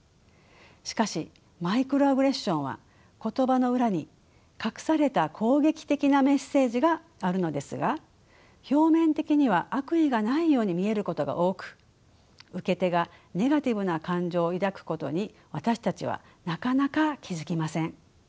しかしマイクロアグレッションは言葉の裏に隠された攻撃的なメッセージがあるのですが表面的には悪意がないように見えることが多く受け手がネガティブな感情を抱くことに私たちはなかなか気付きません。